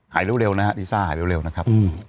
หายเร็วนะลิซ่า